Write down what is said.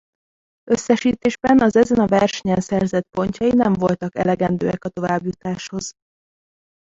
Összesítésben az ezen a versenyen szerzett pontjai nem voltak elegendőek a továbbjutáshoz.